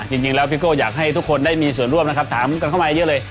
จริงแล้วพี่โก้อยากให้ทุกคนได้มีส่วนร่วมนะครับถามกันเข้ามาเยอะเลย